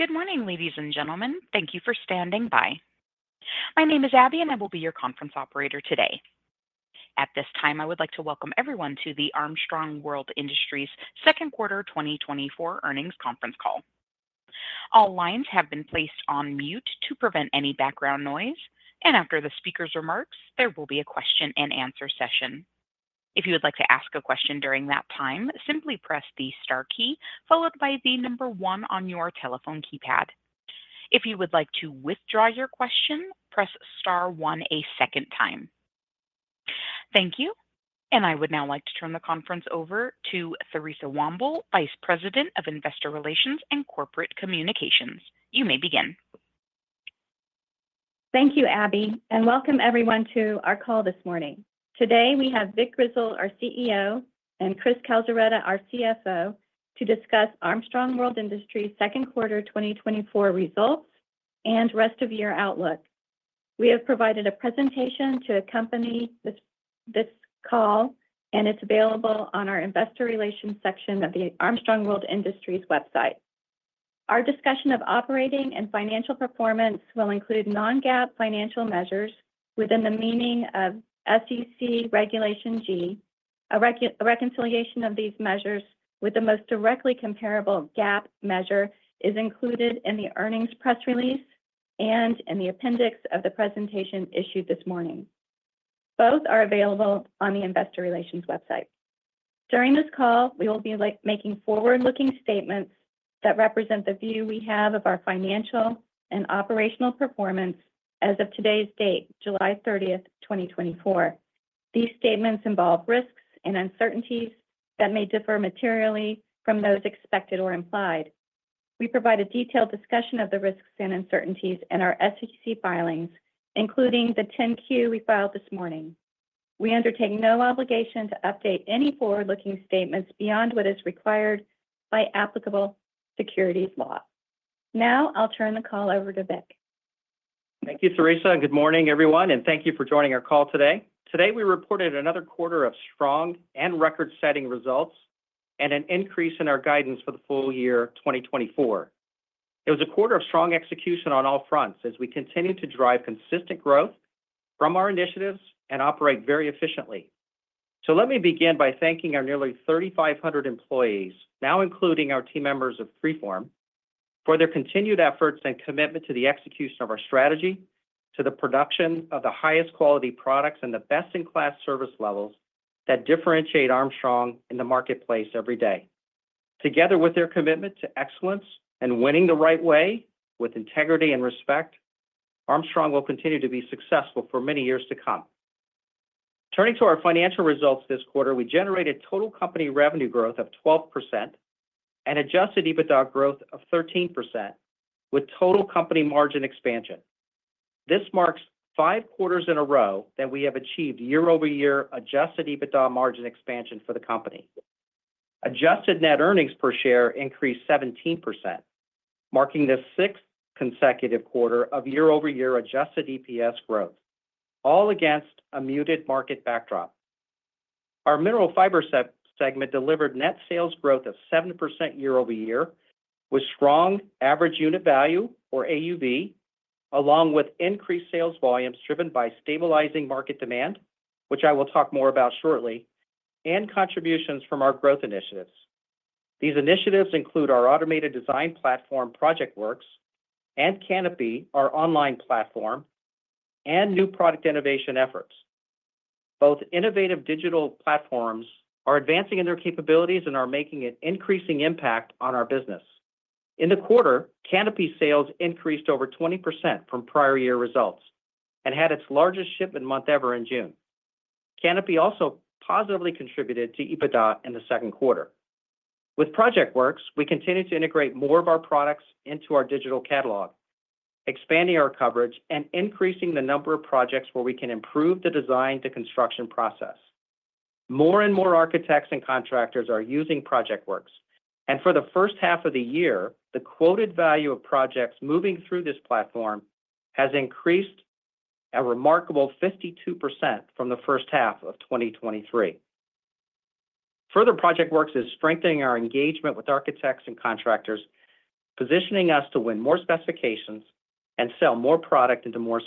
Good morning, ladies and gentlemen. Thank you for standing by. My name is Abby, and I will be your conference operator today. At this time, I would like to welcome everyone to the Armstrong World Industries Second Quarter 2024 Earnings Conference Call. All lines have been placed on mute to prevent any background noise, and after the speaker's remarks, there will be a question-and-answer session. If you would like to ask a question during that time, simply press the star key followed by the number one on your telephone keypad. If you would like to withdraw your question, press star one a second time. Thank you, and I would now like to turn the conference over to Theresa Womble, Vice President of Investor Relations and Corporate Communications. You may begin. Thank you, Abby, and welcome everyone to our call this morning. Today, we have Vic Grizzle, our CEO, and Chris Calzaretta, our CFO, to discuss Armstrong World Industries' second quarter 2024 results and rest of year outlook. We have provided a presentation to accompany this call, and it's available on our investor relations section of the Armstrong World Industries website. Our discussion of operating and financial performance will include non-GAAP financial measures within the meaning of SEC Regulation G. A reconciliation of these measures with the most directly comparable GAAP measure is included in the earnings press release and in the appendix of the presentation issued this morning. Both are available on the investor relations website. During this call, we will be, like, making forward-looking statements that represent the view we have of our financial and operational performance as of today's date, July 30, 2024. These statements involve risks and uncertainties that may differ materially from those expected or implied. We provide a detailed discussion of the risks and uncertainties in our SEC filings, including the 10-Q we filed this morning. We undertake no obligation to update any forward-looking statements beyond what is required by applicable securities law. Now, I'll turn the call over to Vic. Thank you, Theresa, and good morning, everyone, and thank you for joining our call today. Today, we reported another quarter of strong and record-setting results and an increase in our guidance for the full year 2024. It was a quarter of strong execution on all fronts as we continue to drive consistent growth from our initiatives and operate very efficiently. So let me begin by thanking our nearly 3,500 employees, now including our team members of 3form, for their continued efforts and commitment to the execution of our strategy, to the production of the highest quality products, and the best-in-class service levels that differentiate Armstrong in the marketplace every day. Together with their commitment to excellence and winning the right way, with integrity and respect, Armstrong will continue to be successful for many years to come. Turning to our financial results this quarter, we generated total company revenue growth of 12% and adjusted EBITDA growth of 13%, with total company margin expansion. This marks 5 quarters in a row that we have achieved year-over-year adjusted EBITDA margin expansion for the company. Adjusted net earnings per share increased 17%, marking the sixth consecutive quarter of year-over-year adjusted EPS growth, all against a muted market backdrop. Our Mineral Fiber segment delivered net sales growth of 7% year-over-year, with strong Average Unit Value, or AUV, along with increased sales volumes driven by stabilizing market demand, which I will talk more about shortly, and contributions from our growth initiatives. These initiatives include our automated design platform, ProjectWorks, and Kanopi, our online platform, and new product innovation efforts. Both innovative digital platforms are advancing in their capabilities and are making an increasing impact on our business. In the quarter, Kanopi sales increased over 20% from prior year results and had its largest shipment month ever in June. Kanopi also positively contributed to EBITDA in the second quarter. With ProjectWorks, we continue to integrate more of our products into our digital catalog, expanding our coverage and increasing the number of projects where we can improve the design-to-construction process. More and more architects and contractors are using ProjectWorks, and for the first half of the year, the quoted value of projects moving through this platform has increased a remarkable 52% from the first half of 2023. Further, ProjectWorks is strengthening our engagement with architects and contractors, positioning us to win more specifications and sell more product into more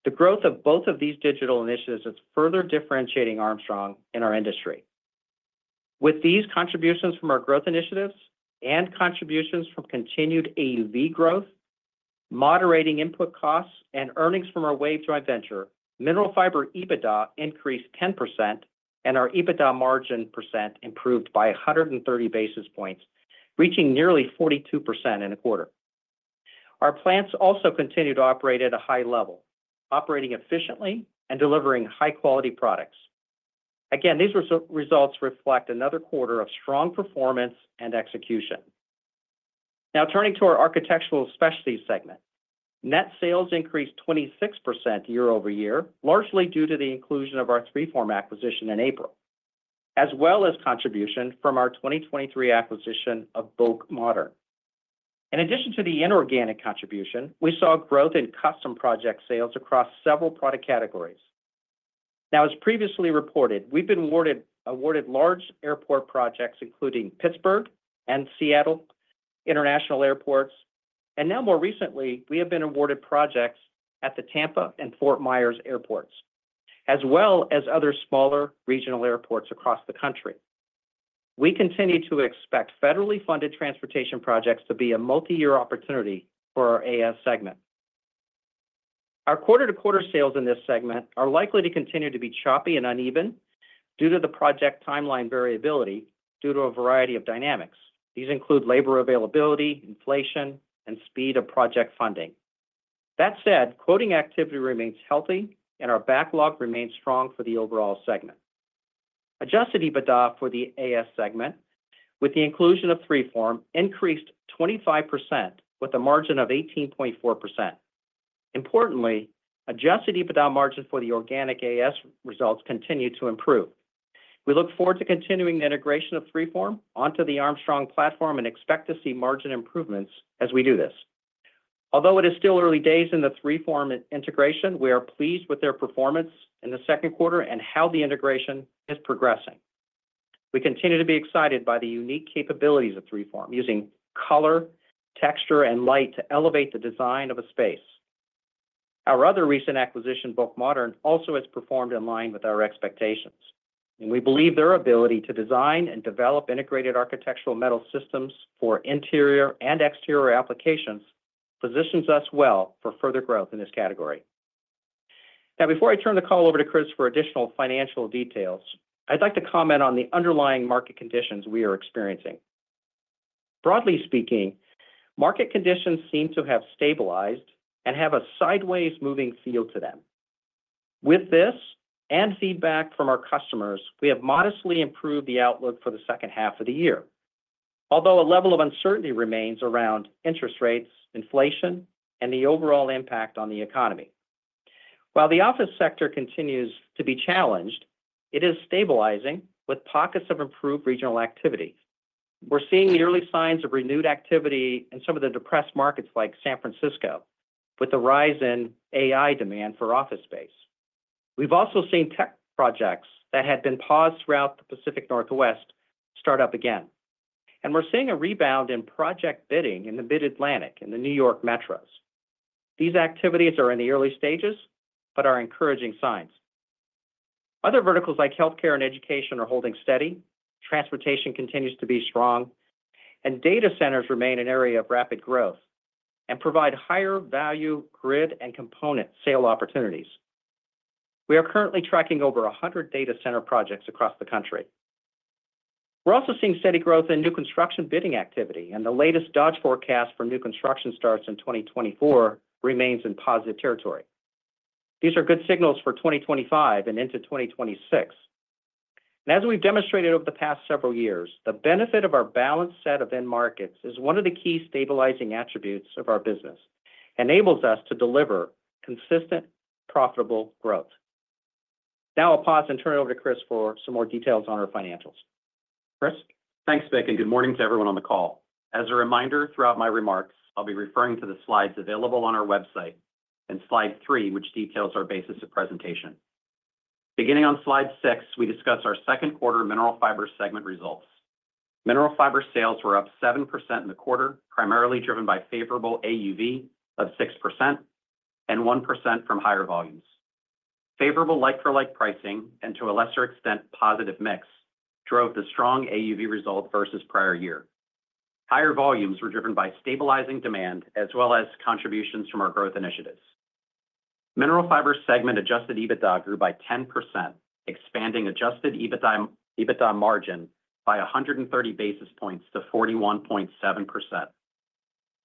spaces. The growth of both of these digital initiatives is further differentiating Armstrong in our industry. With these contributions from our growth initiatives and contributions from continued AUV growth, moderating input costs and earnings from our WAVE joint venture, Mineral Fiber EBITDA increased 10% and our EBITDA margin percent improved by 130 basis points, reaching nearly 42% in a quarter. Our plants also continued to operate at a high level, operating efficiently and delivering high-quality products. Again, these results reflect another quarter of strong performance and execution. Now, turning to our Architectural Specialties segment. Net sales increased 26% year-over-year, largely due to the inclusion of our 3form acquisition in April, as well as contribution from our 2023 acquisition of BŌK Modern. In addition to the inorganic contribution, we saw growth in custom project sales across several product categories. Now, as previously reported, we've been awarded large airport projects, including Pittsburgh and Seattle International Airports, and now more recently, we have been awarded projects at the Tampa and Fort Myers airports, as well as other smaller regional airports across the country. We continue to expect federally funded transportation projects to be a multi-year opportunity for our AS segment. Our quarter-to-quarter sales in this segment are likely to continue to be choppy and uneven due to the project timeline variability, due to a variety of dynamics. These include labor availability, inflation, and speed of project funding. That said, quoting activity remains healthy, and our backlog remains strong for the overall segment. Adjusted EBITDA for the AS segment, with the inclusion of 3form, increased 25%, with a margin of 18.4%. Importantly, adjusted EBITDA margin for the organic AS results continue to improve. We look forward to continuing the integration of 3form onto the Armstrong platform and expect to see margin improvements as we do this. Although it is still early days in the 3form integration, we are pleased with their performance in the second quarter and how the integration is progressing. We continue to be excited by the unique capabilities of 3form, using color, texture, and light to elevate the design of a space. Our other recent acquisition, BŌK Modern, also has performed in line with our expectations, and we believe their ability to design and develop integrated architectural metal systems for interior and exterior applications positions us well for further growth in this category. Now, before I turn the call over to Chris for additional financial details, I'd like to comment on the underlying market conditions we are experiencing. Broadly speaking, market conditions seem to have stabilized and have a sideways-moving feel to them. With this, and feedback from our customers, we have modestly improved the outlook for the second half of the year, although a level of uncertainty remains around interest rates, inflation, and the overall impact on the economy. While the office sector continues to be challenged, it is stabilizing with pockets of improved regional activity. We're seeing the early signs of renewed activity in some of the depressed markets like San Francisco, with the rise in AI demand for office space. We've also seen tech projects that had been paused throughout the Pacific Northwest start up again, and we're seeing a rebound in project bidding in the Mid-Atlantic and the New York metros. These activities are in the early stages but are encouraging signs. Other verticals like healthcare and education are holding steady. Transportation continues to be strong, and data centers remain an area of rapid growth and provide higher value grid and component sale opportunities. We are currently tracking over 100 data center projects across the country. We're also seeing steady growth in new construction bidding activity, and the latest Dodge forecast for new construction starts in 2024 remains in positive territory. These are good signals for 2025 and into 2026. And as we've demonstrated over the past several years, the benefit of our balanced set of end markets is one of the key stabilizing attributes of our business, enables us to deliver consistent, profitable growth. Now I'll pause and turn it over to Chris for some more details on our financials. Chris? Thanks, Vic, and good morning to everyone on the call. As a reminder, throughout my remarks, I'll be referring to the slides available on our website, and slide three, which details our basis of presentation. Beginning on slide six, we discuss our second quarter Mineral Fiber segment results. Mineral Fiber sales were up 7% in the quarter, primarily driven by favorable AUV of 6% and 1% from higher volumes. Favorable like-for-like pricing, and to a lesser extent, positive mix, drove the strong AUV result versus prior year. Higher volumes were driven by stabilizing demand, as well as contributions from our growth initiatives. Mineral Fiber segment adjusted EBITDA grew by 10%, expanding adjusted EBITDA margin by 130 basis points to 41.7%.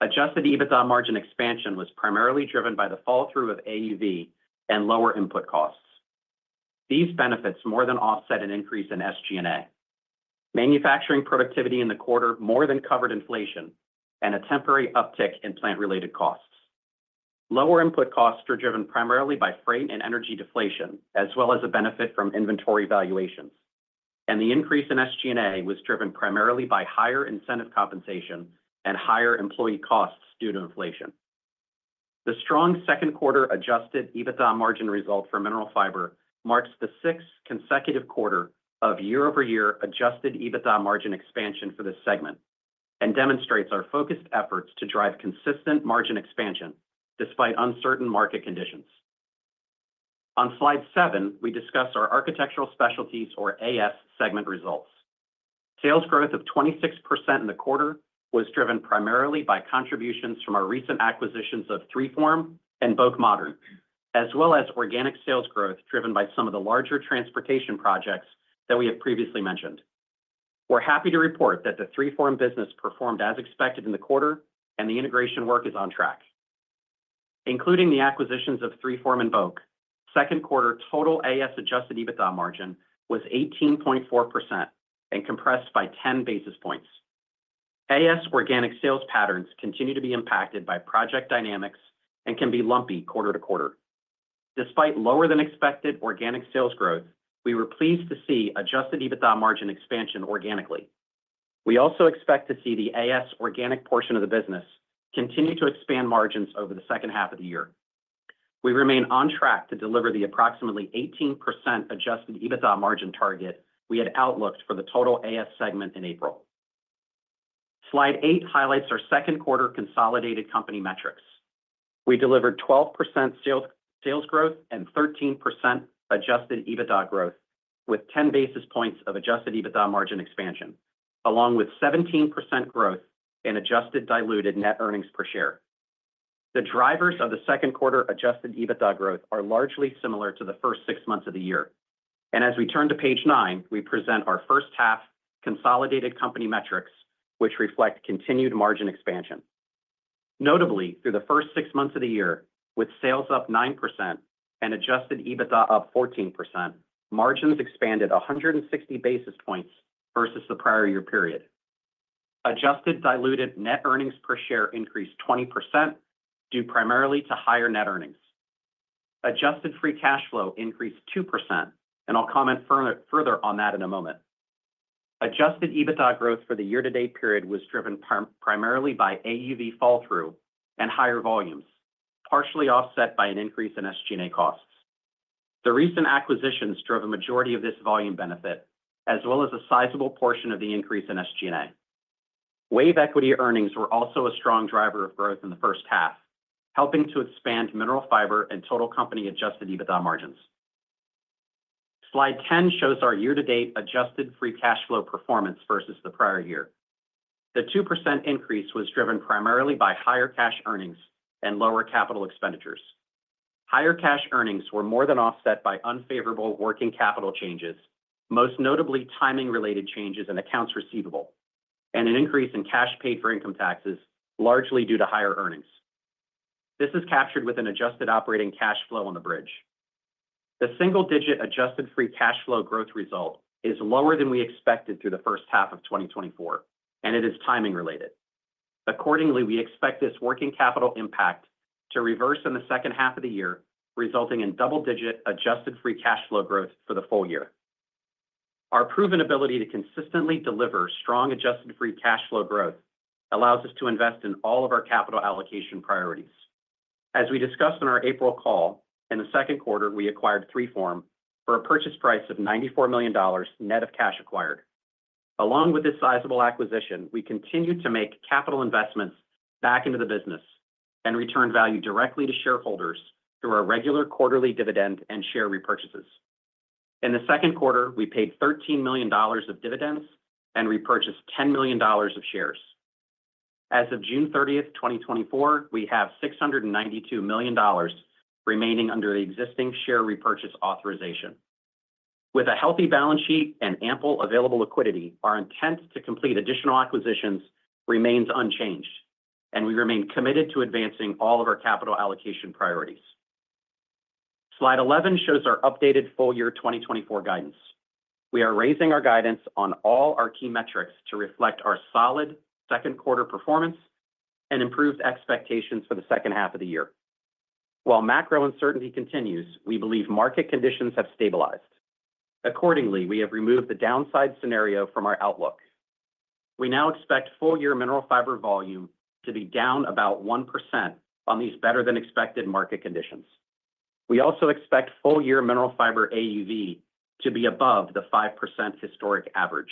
Adjusted EBITDA margin expansion was primarily driven by the fall-through of AUV and lower input costs. These benefits more than offset an increase in SG&A. Manufacturing productivity in the quarter more than covered inflation and a temporary uptick in plant-related costs. Lower input costs were driven primarily by freight and energy deflation, as well as a benefit from inventory valuations. The increase in SG&A was driven primarily by higher incentive compensation and higher employee costs due to inflation. The strong second quarter Adjusted EBITDA margin result for Mineral Fiber marks the sixth consecutive quarter of year-over-year Adjusted EBITDA margin expansion for this segment and demonstrates our focused efforts to drive consistent margin expansion despite uncertain market conditions. On slide seven, we discuss our Architectural Specialties, or AS, segment results. Sales growth of 26% in the quarter was driven primarily by contributions from our recent acquisitions of 3form and BŌK Modern, as well as organic sales growth, driven by some of the larger transportation projects that we have previously mentioned. We're happy to report that the 3form business performed as expected in the quarter, and the integration work is on track. Including the acquisitions of 3form and BŌK Modern, second quarter total AS adjusted EBITDA margin was 18.4% and compressed by 10 basis points. AS organic sales patterns continue to be impacted by project dynamics and can be lumpy quarter to quarter. Despite lower-than-expected organic sales growth, we were pleased to see adjusted EBITDA margin expansion organically. We also expect to see the AS organic portion of the business continue to expand margins over the second half of the year. We remain on track to deliver the approximately 18% adjusted EBITDA margin target we had outlooked for the total AS segment in April. Slide eight highlights our second quarter consolidated company metrics. We delivered 12% sales, sales growth and 13% adjusted EBITDA growth, with 10 basis points of adjusted EBITDA margin expansion, along with 17% growth in adjusted diluted net earnings per share. The drivers of the second quarter adjusted EBITDA growth are largely similar to the first six months of the year, and as we turn to page nine, we present our first half consolidated company metrics, which reflect continued margin expansion. Notably, through the first six months of the year, with sales up 9% and adjusted EBITDA up 14%, margins expanded 160 basis points versus the prior year period. Adjusted diluted net earnings per share increased 20%, due primarily to higher net earnings. Adjusted free cash flow increased 2%, and I'll comment further on that in a moment. Adjusted EBITDA growth for the year-to-date period was driven primarily by AUV fall-through and higher volumes, partially offset by an increase in SG&A costs. The recent acquisitions drove a majority of this volume benefit, as well as a sizable portion of the increase in SG&A. WAVE equity earnings were also a strong driver of growth in the first half, helping to expand Mineral Fiber and total company adjusted EBITDA margins. Slide 10 shows our year-to-date adjusted free cash flow performance versus the prior year. The 2% increase was driven primarily by higher cash earnings and lower capital expenditures. Higher cash earnings were more than offset by unfavorable working capital changes, most notably, timing-related changes in accounts receivable, and an increase in cash paid for income taxes, largely due to higher earnings. This is captured with an adjusted operating cash flow on the bridge. The single-digit adjusted free cash flow growth result is lower than we expected through the first half of 2024, and it is timing related. Accordingly, we expect this working capital impact to reverse in the second half of the year, resulting in double-digit adjusted free cash flow growth for the full year. Our proven ability to consistently deliver strong adjusted free cash flow growth allows us to invest in all of our capital allocation priorities. As we discussed in our April call, in the second quarter, we acquired 3form for a purchase price of $94 million, net of cash acquired. Along with this sizable acquisition, we continued to make capital investments back into the business and return value directly to shareholders through our regular quarterly dividend and share repurchases. In the second quarter, we paid $13 million of dividends and repurchased $10 million of shares. As of June 30th, 2024, we have $692 million remaining under the existing share repurchase authorization. With a healthy balance sheet and ample available liquidity, our intent to complete additional acquisitions remains unchanged, and we remain committed to advancing all of our capital allocation priorities. Slide 11 shows our updated full year 2024 guidance. We are raising our guidance on all our key metrics to reflect our solid second quarter performance and improved expectations for the second half of the year. While macro uncertainty continues, we believe market conditions have stabilized. Accordingly, we have removed the downside scenario from our outlook. We now expect full-year Mineral Fiber volume to be down about 1% on these better-than-expected market conditions. We also expect full-year Mineral Fiber AUV to be above the 5% historic average.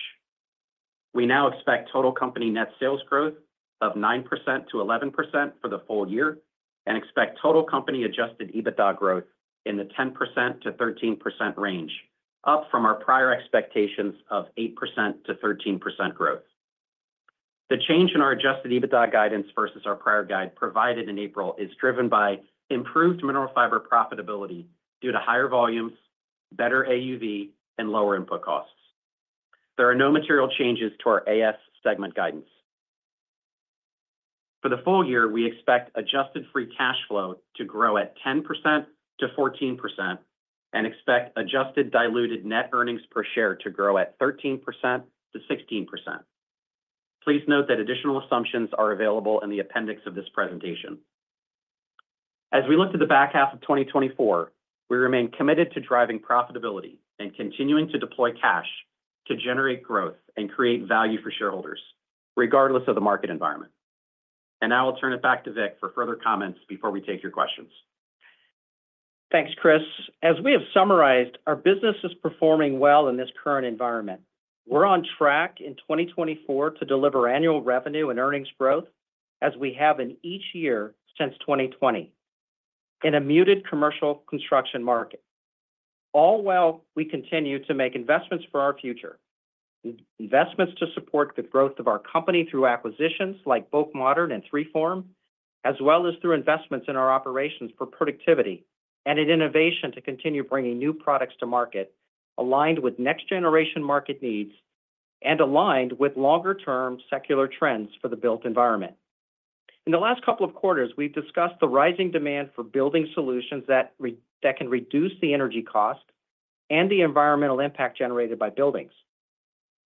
We now expect total company net sales growth of 9%-11% for the full year, and expect total company adjusted EBITDA growth in the 10%-13% range, up from our prior expectations of 8%-13% growth. The change in our adjusted EBITDA guidance versus our prior guide provided in April is driven by improved Mineral Fiber profitability due to higher volumes, better AUV, and lower input costs. There are no material changes to our AS segment guidance. For the full year, we expect adjusted free cash flow to grow at 10%-14% and expect adjusted diluted net earnings per share to grow at 13%-16%. Please note that additional assumptions are available in the appendix of this presentation. As we look to the back half of 2024, we remain committed to driving profitability and continuing to deploy cash to generate growth and create value for shareholders, regardless of the market environment. And now I'll turn it back to Vic for further comments before we take your questions. Thanks, Chris. As we have summarized, our business is performing well in this current environment. We're on track in 2024 to deliver annual revenue and earnings growth, as we have in each year since 2020, in a muted commercial construction market. All while we continue to make investments for our future, investments to support the growth of our company through acquisitions like BŌK Modern and 3form, as well as through investments in our operations for productivity and in innovation to continue bringing new products to market, aligned with next-generation market needs and aligned with longer-term secular trends for the built environment. In the last couple of quarters, we've discussed the rising demand for building solutions that that can reduce the energy cost and the environmental impact generated by buildings.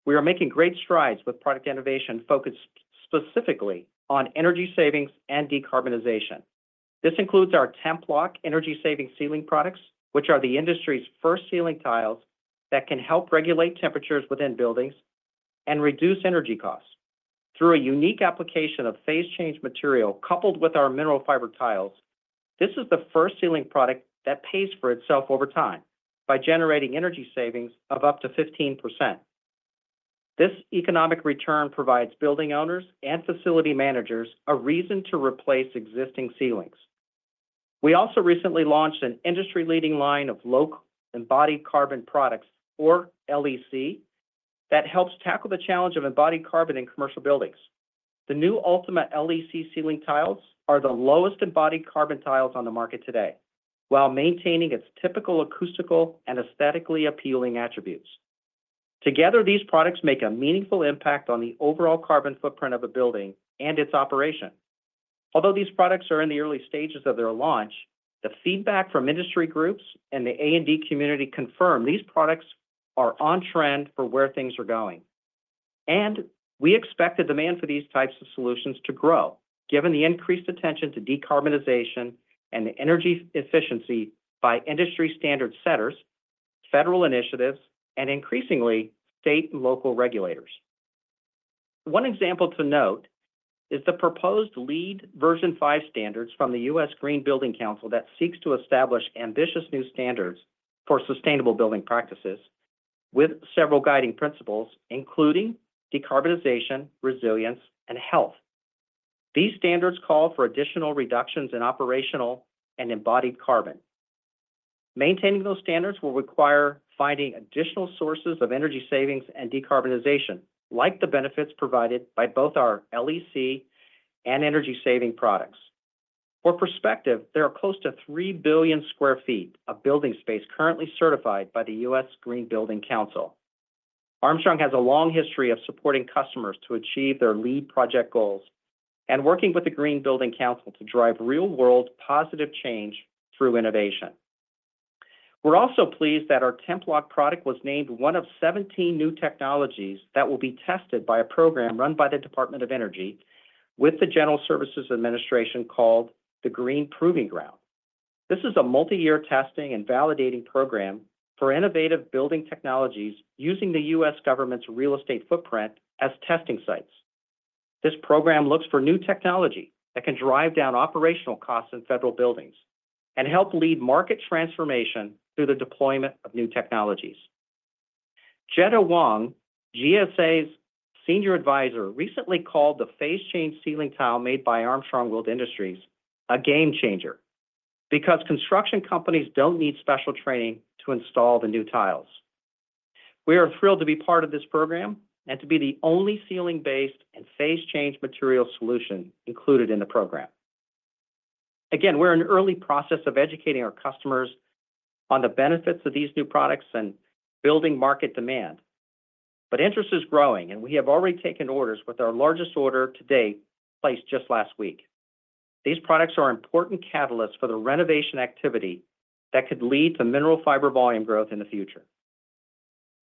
We are making great strides with product innovation focused specifically on energy savings and decarbonization. This includes our Templok energy-saving ceiling products, which are the industry's first ceiling tiles that can help regulate temperatures within buildings and reduce energy costs. Through a unique application of phase change material, coupled with our mineral fiber tiles, this is the first ceiling product that pays for itself over time by generating energy savings of up to 15%. This economic return provides building owners and facility managers a reason to replace existing ceilings. We also recently launched an industry-leading line of low embodied carbon products, or LEC, that helps tackle the challenge of embodied carbon in commercial buildings. The new Ultima LEC ceiling tiles are the lowest embodied carbon tiles on the market today, while maintaining its typical acoustical and aesthetically appealing attributes. Together, these products make a meaningful impact on the overall carbon footprint of a building and its operation. Although these products are in the early stages of their launch, the feedback from industry groups and the A&D community confirm these products are on trend for where things are going. We expect the demand for these types of solutions to grow, given the increased attention to decarbonization and energy efficiency by industry standard setters, federal initiatives, and increasingly, state and local regulators. One example to note is the proposed LEED version 5 standards from the U.S. Green Building Council that seeks to establish ambitious new standards for sustainable building practices, with several guiding principles, including decarbonization, resilience, and health. These standards call for additional reductions in operational and embodied carbon. Maintaining those standards will require finding additional sources of energy savings and decarbonization, like the benefits provided by both our LEC and energy-saving products. For perspective, there are close to 3 billion sq ft of building space currently certified by the U.S. Green Building Council. Armstrong has a long history of supporting customers to achieve their LEED project goals and working with the Green Building Council to drive real-world positive change through innovation. We're also pleased that our Templok product was named one of 17 new technologies that will be tested by a program run by the Department of Energy with the General Services Administration, called the Green Proving Ground. This is a multi-year testing and validating program for innovative building technologies using the U.S. government's real estate footprint as testing sites. This program looks for new technology that can drive down operational costs in federal buildings and help lead market transformation through the deployment of new technologies. Jetta Wong, GSA's Senior Advisor, recently called the phase-change ceiling tile made by Armstrong World Industries a game changer because construction companies don't need special training to install the new tiles. We are thrilled to be part of this program and to be the only ceiling-based and phase-change material solution included in the program. Again, we're in early process of educating our customers on the benefits of these new products and building market demand, but interest is growing, and we have already taken orders, with our largest order to date placed just last week. These products are important catalysts for the renovation activity that could lead to mineral fiber volume growth in the future.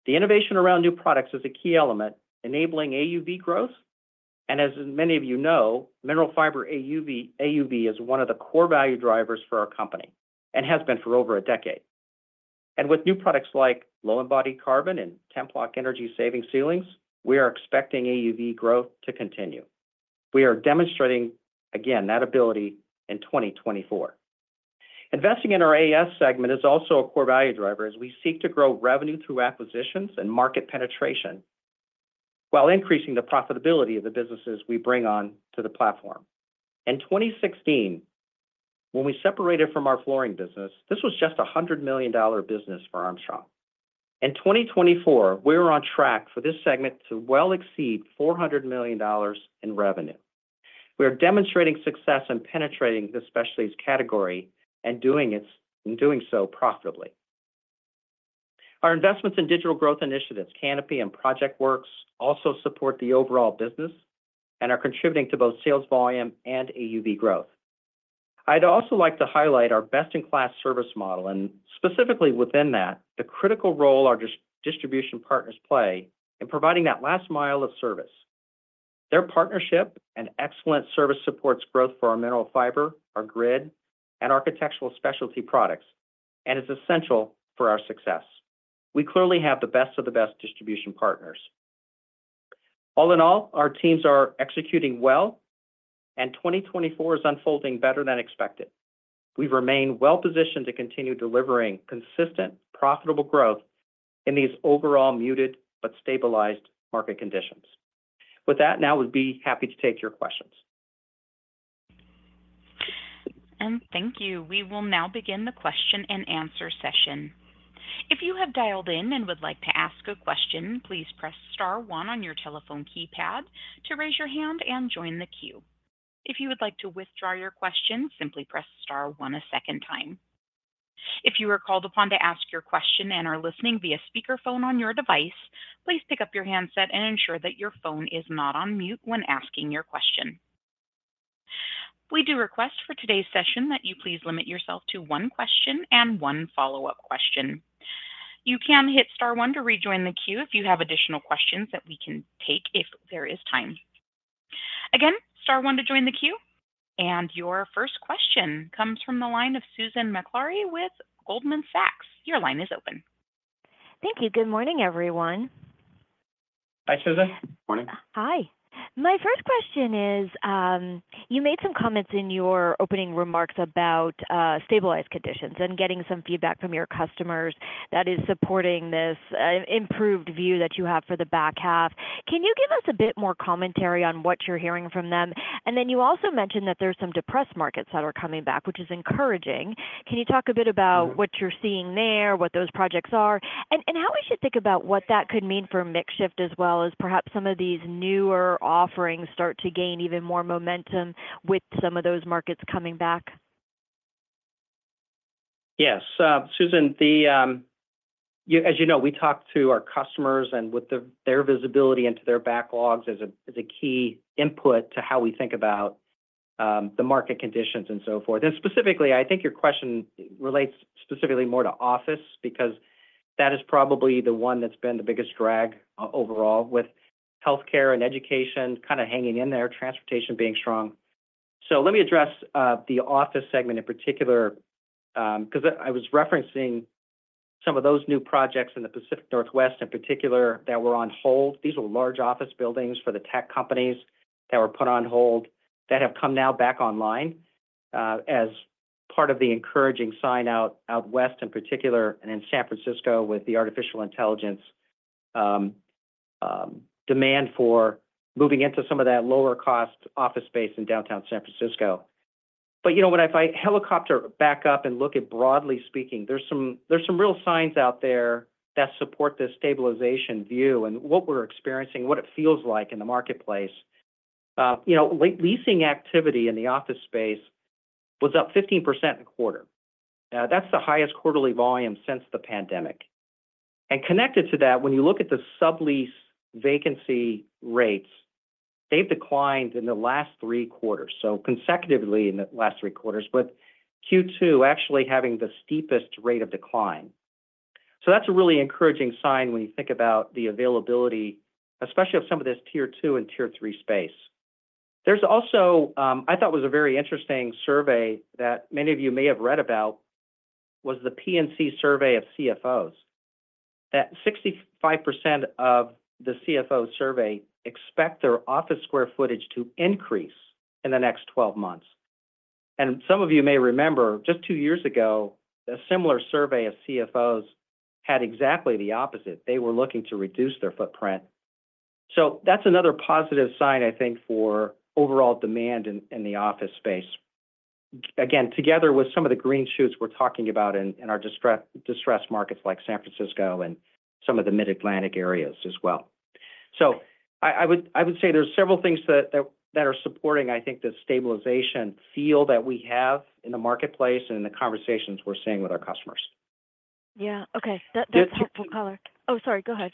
The innovation around new products is a key element enabling AUV growth, and as many of you know, Mineral Fiber AUV, AUV is one of the core value drivers for our company and has been for over a decade. With new products like low embodied carbon and Templok energy-saving ceilings, we are expecting AUV growth to continue. We are demonstrating, again, that ability in 2024. Investing in our AS segment is also a core value driver as we seek to grow revenue through acquisitions and market penetration while increasing the profitability of the businesses we bring on to the platform. In 2016, when we separated from our flooring business, this was just a $100 million business for Armstrong. In 2024, we are on track for this segment to well exceed $400 million in revenue. We are demonstrating success in penetrating the specialties category and doing it, and doing so profitably. Our investments in digital growth initiatives, Kanopi and ProjectWorks, also support the overall business and are contributing to both sales volume and AUV growth. I'd also like to highlight our best-in-class service model, and specifically within that, the critical role our distribution partners play in providing that last mile of service. Their partnership and excellent service supports growth for our Mineral Fiber, our grid, and architectural specialties products, and is essential for our success. We clearly have the best of the best distribution partners. All in all, our teams are executing well, and 2024 is unfolding better than expected. We remain well positioned to continue delivering consistent, profitable growth in these overall muted but stabilized market conditions. With that, now I would be happy to take your questions. Thank you. We will now begin the question and answer session. If you have dialed in and would like to ask a question, please press star one on your telephone keypad to raise your hand and join the queue. If you would like to withdraw your question, simply press star one a second time. If you are called upon to ask your question and are listening via speakerphone on your device, please pick up your handset and ensure that your phone is not on mute when asking your question. We do request for today's session that you please limit yourself to one question and one follow-up question... You can hit star one to rejoin the queue if you have additional questions that we can take if there is time. Again, star one to join the queue. Your first question comes from the line of Susan Maklari with Goldman Sachs. Your line is open. Thank you. Good morning, everyone. Hi, Susan. Morning. Hi. My first question is, you made some comments in your opening remarks about, stabilized conditions and getting some feedback from your customers that is supporting this, improved view that you have for the back half. Can you give us a bit more commentary on what you're hearing from them? And then you also mentioned that there's some depressed markets that are coming back, which is encouraging. Can you talk a bit about what you're seeing there, what those projects are, and, and how we should think about what that could mean for mix shift, as well as perhaps some of these newer offerings start to gain even more momentum with some of those markets coming back? Yes. Susan, as you know, we talk to our customers, and with their visibility into their backlogs as a key input to how we think about the market conditions and so forth. And specifically, I think your question relates specifically more to office, because that is probably the one that's been the biggest drag overall, with healthcare and education kind of hanging in there, transportation being strong. So let me address the office segment in particular, 'cause I was referencing some of those new projects in the Pacific Northwest in particular, that were on hold. These were large office buildings for the tech companies that were put on hold, that have come now back online, as part of the encouraging sign out west in particular, and in San Francisco with the artificial intelligence demand for moving into some of that lower-cost office space in downtown San Francisco. But, you know, when if I helicopter back up and look at broadly speaking, there's some, there's some real signs out there that support this stabilization view and what we're experiencing, what it feels like in the marketplace. You know, leasing activity in the office space was up 15% in quarter. That's the highest quarterly volume since the pandemic. And connected to that, when you look at the sublease vacancy rates, they've declined in the last three quarters, so consecutively in the last three quarters, but Q2 actually having the steepest rate of decline. So that's a really encouraging sign when you think about the availability, especially of some of this Tier 2 and Tier 3 space. There's also, I thought was a very interesting survey that many of you may have read about, was the PNC survey of CFOs, that 65% of the CFO survey expect their office square footage to increase in the next 12 months. And some of you may remember, just two years ago, a similar survey of CFOs had exactly the opposite. They were looking to reduce their footprint. So that's another positive sign, I think, for overall demand in the office space. Again, together with some of the green shoots we're talking about in our distressed markets like San Francisco and some of the Mid-Atlantic areas as well. So I would say there's several things that are supporting, I think, the stabilization feel that we have in the marketplace and in the conversations we're seeing with our customers. Yeah. Okay. That, that's helpful color. Oh, sorry. Go ahead.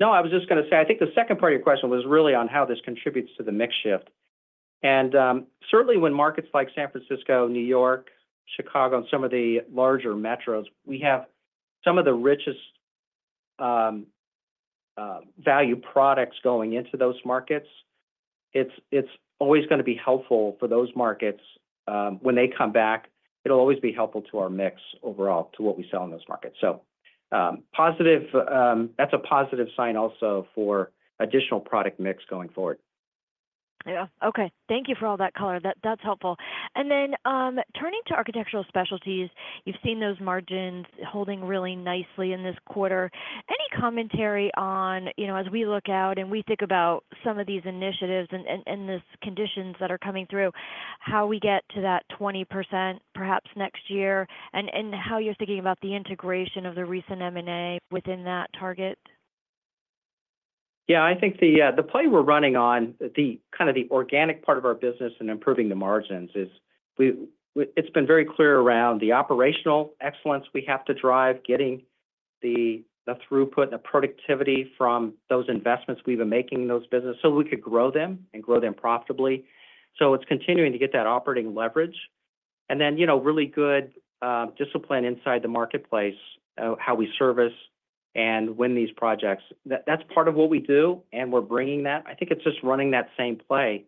No, I was just gonna say, I think the second part of your question was really on how this contributes to the mix shift. And, certainly when markets like San Francisco, New York, Chicago, and some of the larger metros, we have some of the richest value products going into those markets. It's always gonna be helpful for those markets when they come back. It'll always be helpful to our mix overall, to what we sell in those markets. So, positive... That's a positive sign also for additional product mix going forward. Yeah. Okay. Thank you for all that color. That's helpful. And then, turning to Architectural Specialties, you've seen those margins holding really nicely in this quarter. Any commentary on, you know, as we look out and we think about some of these initiatives and the conditions that are coming through, how we get to that 20%, perhaps next year, and how you're thinking about the integration of the recent M&A within that target? Yeah, I think the play we're running on the kind of the organic part of our business and improving the margins is it's been very clear around the operational excellence we have to drive, getting the throughput and the productivity from those investments we've been making in those businesses, so we could grow them and grow them profitably. So it's continuing to get that operating leverage, and then, you know, really good discipline inside the marketplace how we service and win these projects. That's part of what we do, and we're bringing that. I think it's just running that same play.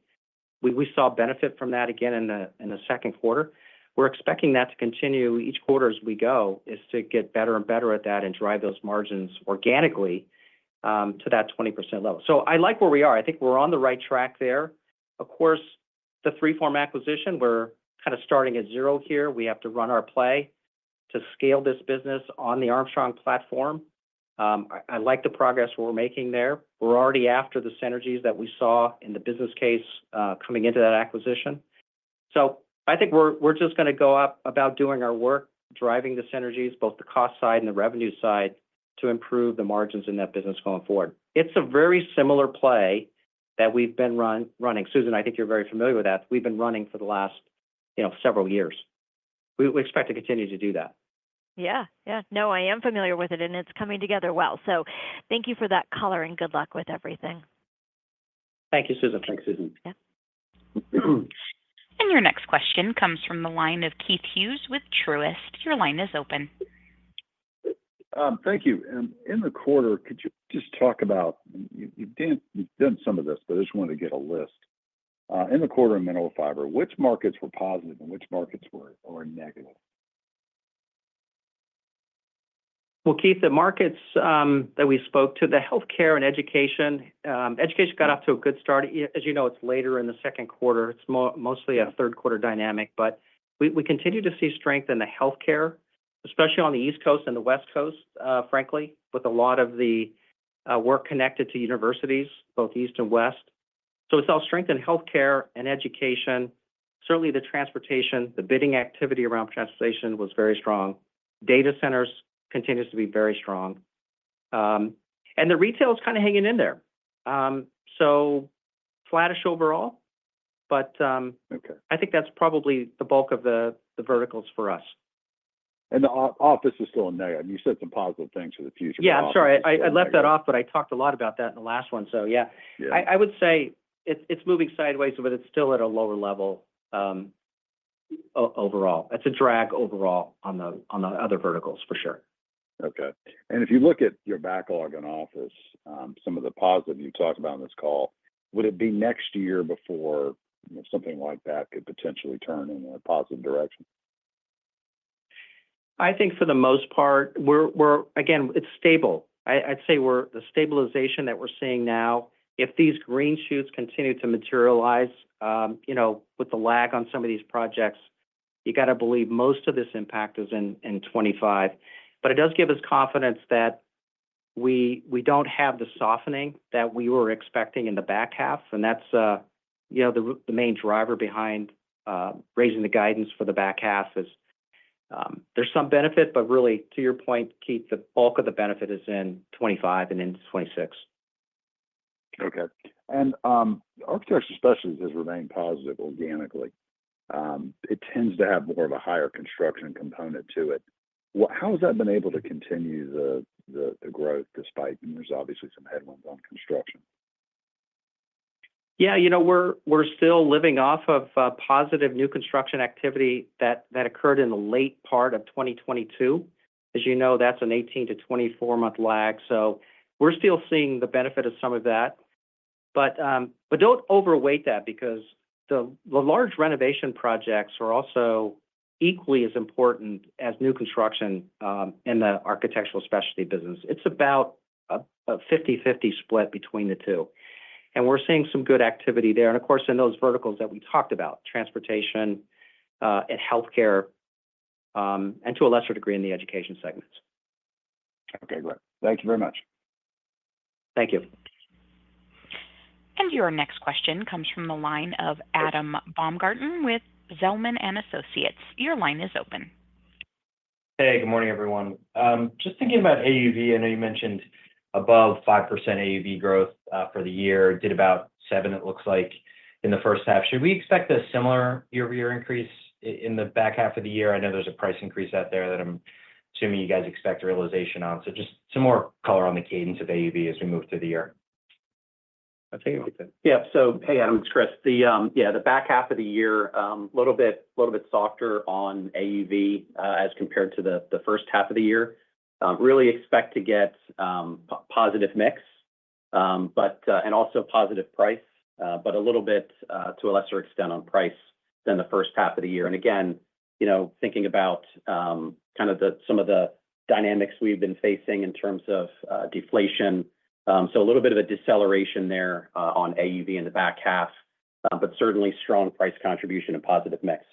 We saw benefit from that again in the second quarter. We're expecting that to continue each quarter as we go, is to get better and better at that and drive those margins organically to that 20% level. So I like where we are. I think we're on the right track there. Of course, the 3form acquisition, we're kind of starting at zero here. We have to run our play to scale this business on the Armstrong platform. I like the progress we're making there. We're already after the synergies that we saw in the business case, coming into that acquisition. So I think we're just gonna go about doing our work, driving the synergies, both the cost side and the revenue side, to improve the margins in that business going forward. It's a very similar play that we've been running. Susan, I think you're very familiar with that. We've been running for the last, you know, several years. We expect to continue to do that. Yeah. Yeah. No, I am familiar with it, and it's coming together well. So thank you for that color, and good luck with everything.... Thank you, Susan. Thanks, Susan. Yeah. And your next question comes from the line of Keith Hughes with Truist. Your line is open. Thank you. In the quarter, could you just talk about—you've done some of this, but I just wanted to get a list. In the quarter in Mineral Fiber, which markets were positive and which markets were negative? Well, Keith, the markets that we spoke to, the healthcare and education, education got off to a good start. As you know, it's later in the second quarter. It's mostly a third quarter dynamic, but we continue to see strength in the healthcare, especially on the East Coast and the West Coast, frankly, with a lot of the work connected to universities, both East and West. So I saw strength in healthcare and education. Certainly the transportation, the bidding activity around transportation was very strong. Data centers continues to be very strong. And the retail is kind of hanging in there. So flattish overall, but Okay. I think that's probably the bulk of the verticals for us. The office is still a negative. You said some positive things for the future. Yeah, I'm sorry. I, I left that off, but I talked a lot about that in the last one. So yeah. Yeah. I would say it's moving sideways, but it's still at a lower level overall. It's a drag overall on the other verticals, for sure. Okay. And if you look at your backlog in office, some of the positives you've talked about on this call, would it be next year before something like that could potentially turn in a positive direction? I think for the most part, we're, again, it's stable. I'd say we're -- the stabilization that we're seeing now, if these green shoots continue to materialize, you know, with the lag on some of these projects, you got to believe most of this impact is in 2025. But it does give us confidence that we don't have the softening that we were expecting in the back half, and that's, you know, the main driver behind raising the guidance for the back half is, there's some benefit, but really, to your point, Keith, the bulk of the benefit is in 2025 and into 2026. Okay. And, Architectural Specialties has remained positive organically. It tends to have more of a higher construction component to it. How has that been able to continue the growth, despite, and there's obviously some headwinds on construction? Yeah, you know, we're still living off of positive new construction activity that occurred in the late part of 2022. As you know, that's an 18 to 24 month lag, so we're still seeing the benefit of some of that. But don't overweight that, because the large renovation projects are also equally as important as new construction in the Architectural Specialties business. It's about a 50/50 split between the two, and we're seeing some good activity there. And of course, in those verticals that we talked about, transportation and healthcare, and to a lesser degree, in the education segments. Okay, great. Thank you very much. Thank you. Your next question comes from the line of Adam Baumgarten with Zelman and Associates. Your line is open. Hey, good morning, everyone. Just thinking about AUV, I know you mentioned above 5% AUV growth, for the year. Did about seven, it looks like, in the first half. Should we expect a similar year-over-year increase in the back half of the year? I know there's a price increase out there that I'm assuming you guys expect realization on. So just some more color on the cadence of AUV as we move through the year. I'll take it. Yeah. So hey, Adam, it's Chris. The, yeah, the back half of the year, little bit, little bit softer on AUV, as compared to the, the first half of the year. Really expect to get, positive mix, but, and also positive price, but a little bit, to a lesser extent on price than the first half of the year. And again, you know, thinking about, kind of the, some of the dynamics we've been facing in terms of, deflation, so a little bit of a deceleration there, on AUV in the back half, but certainly strong price contribution and positive mix.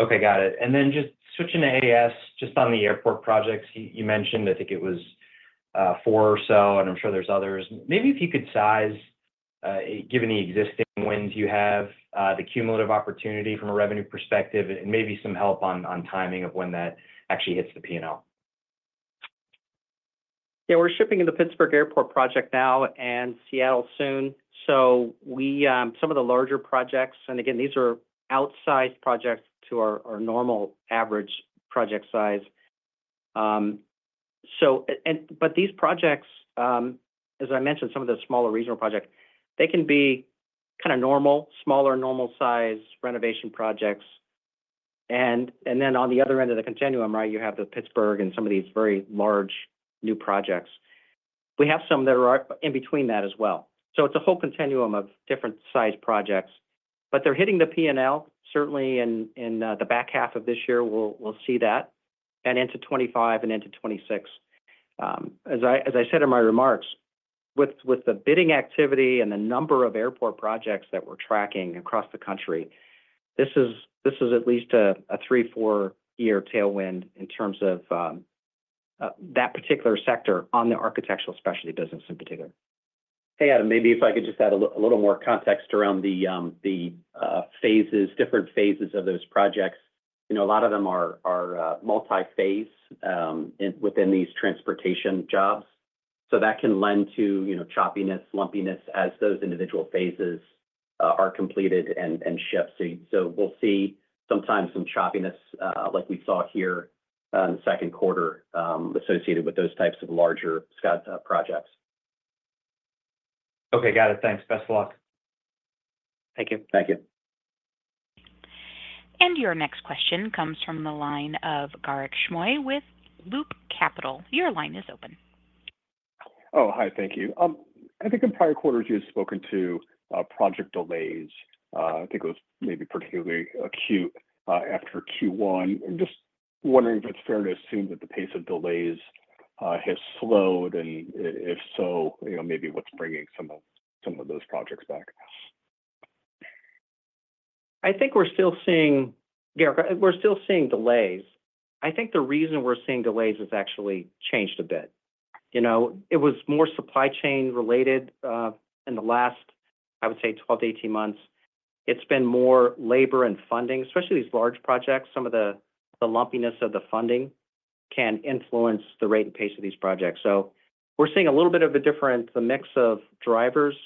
Okay, got it. And then just switching to AS, just on the airport projects, you, you mentioned, I think it was, four or so, and I'm sure there's others. Maybe if you could size, given the existing wins you have, the cumulative opportunity from a revenue perspective, and maybe some help on timing of when that actually hits the P&L. Yeah, we're shipping in the Pittsburgh airport project now and Seattle soon. So we, some of the larger projects, and again, these are outsized projects to our, our normal average project size. So but these projects, as I mentioned, some of the smaller regional projects, they can be kind of normal, smaller, normal-sized renovation projects. And, and then on the other end of the continuum, right, you have the Pittsburgh and some of these very large new projects. We have some that are in between that as well. So it's a whole continuum of different size projects, but they're hitting the P&L, certainly in, in, the back half of this year, we'll, we'll see that, and into 2025 and into 2026. As I said in my remarks, with the bidding activity and the number of airport projects that we're tracking across the country, this is at least a 3-4-year tailwind in terms of that particular sector on the Architectural Specialties business in particular. Hey, Adam, maybe if I could just add a little more context around the phases, different phases of those projects. You know, a lot of them are multi-phase within these transportation jobs. So that can lend to, you know, choppiness, lumpiness, as those individual phases are completed and shipped. So we'll see sometimes some choppiness, like we saw here in the second quarter, associated with those types of larger custom projects. Okay. Got it. Thanks. Best of luck. Thank you. Thank you. Your next question comes from the line of Garik Shmois with Loop Capital. Your line is open. Oh, hi. Thank you. I think in prior quarters you had spoken to project delays. I think it was maybe particularly acute after Q1. I'm just wondering if it's fair to assume that the pace of delays has slowed, and if so, you know, maybe what's bringing some of those projects back? I think we're still seeing, Garik, we're still seeing delays. I think the reason we're seeing delays has actually changed a bit. You know, it was more supply chain related. In the last, I would say 12-18 months, it's been more labor and funding, especially these large projects. Some of the lumpiness of the funding can influence the rate and pace of these projects. So we're seeing a little bit of a different, the mix of drivers,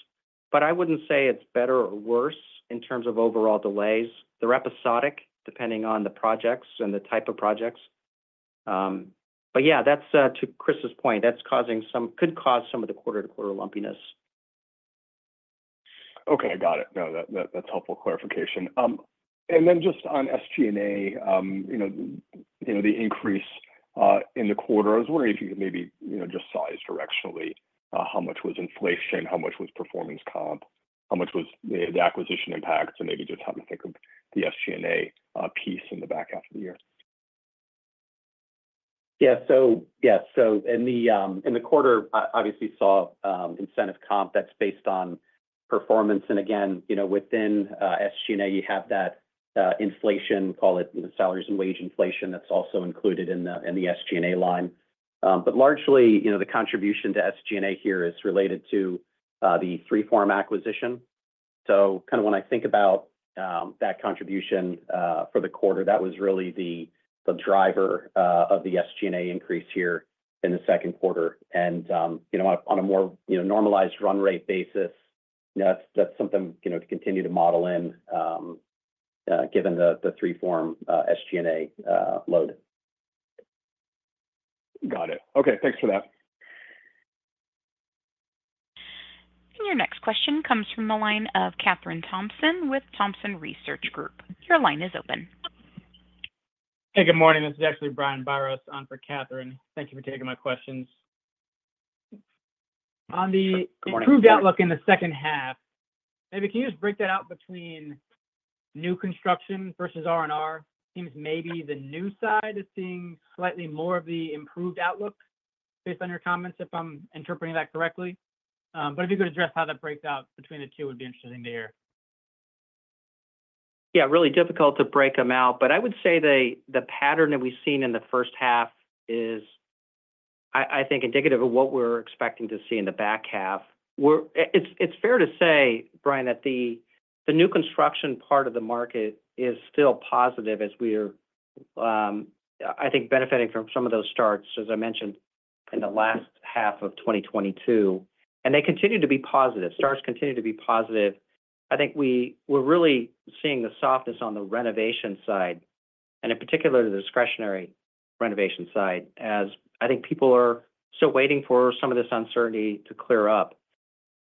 but I wouldn't say it's better or worse in terms of overall delays. They're episodic, depending on the projects and the type of projects. But yeah, that's to Chris's point, could cause some of the quarter-to-quarter lumpiness. Okay, got it. No, that, that's helpful clarification. And then just on SG&A, you know, the increase in the quarter, I was wondering if you could maybe, you know, just size directionally, how much was inflation, how much was performance comp, how much was the, the acquisition impact, and maybe just how to think of the SG&A piece in the back half of the year? Yeah. So, yeah, so in the quarter, I obviously saw incentive comp that's based on performance. And again, you know, within SG&A, you have that inflation, call it the salaries and wage inflation, that's also included in the SG&A line. But largely, you know, the contribution to SG&A here is related to the 3form acquisition. So kind of when I think about that contribution for the quarter, that was really the driver of the SG&A increase here in the second quarter. And you know, on a more normalized run rate basis, that's something you know, to continue to model in given the 3form SG&A load. Got it. Okay, thanks for that. Your next question comes from the line of Kathryn Thompson with Thompson Research Group. Your line is open. Hey, good morning. This is actually Brian Biros on for Kathryn. Thank you for taking my questions. On the- Good morning... improved outlook in the second half, maybe can you just break that out between new construction versus R&R? Seems maybe the new side is seeing slightly more of the improved outlook, based on your comments, if I'm interpreting that correctly. But if you could address how that breaks out between the two, would be interesting to hear. Yeah, really difficult to break them out, but I would say the pattern that we've seen in the first half is, I think, indicative of what we're expecting to see in the back half. It's fair to say, Brian, that the new construction part of the market is still positive as we're, I think, benefiting from some of those starts, as I mentioned, in the last half of 2022. And they continue to be positive. Starts continue to be positive. I think we're really seeing the softness on the renovation side, and in particular, the discretionary renovation side, as I think people are still waiting for some of this uncertainty to clear up.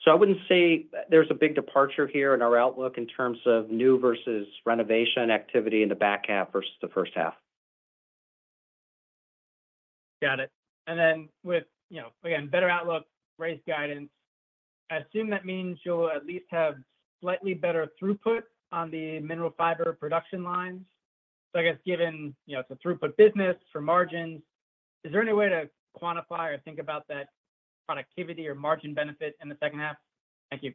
So I wouldn't say there's a big departure here in our outlook in terms of new versus renovation activity in the back half versus the first half. Got it. Then with, you know, again, better outlook, raised guidance, I assume that means you'll at least have slightly better throughput on the Mineral Fiber production lines. So I guess given, you know, it's a throughput business for margins, is there any way to quantify or think about that productivity or margin benefit in the second half? Thank you.